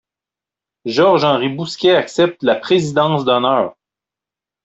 Georges-Henri Bousquet accepte la présidence d'honneur.